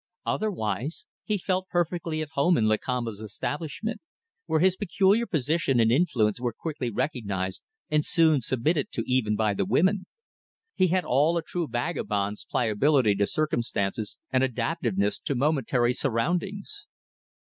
Otherwise, he felt perfectly at home in Lakamba's establishment, where his peculiar position and influence were quickly recognized and soon submitted to even by the women. He had all a true vagabond's pliability to circumstances and adaptiveness to momentary surroundings.